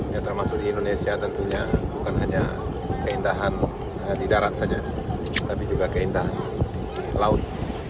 ya termasuk di indonesia tentunya bukan hanya keindahan di darat saja tapi juga keindahan laut